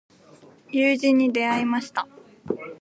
友人に出会いました。